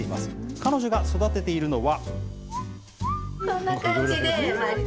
彼女が育てているのが。